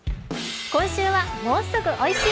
今週は「もうすぐ美味しい！